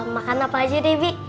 makan apa aja deh bi